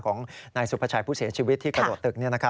ของนายสุภาชัยผู้เสียชีวิตที่กระโดดตึก